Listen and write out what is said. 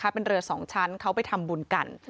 เป็นเรือ๒ชั้นเขาไปทำบุญกัน